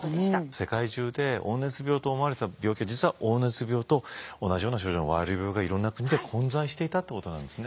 世界中で黄熱病と思われてた病気が実は黄熱病と同じような症状のワイル病がいろんな国で混在していたってことなんですね。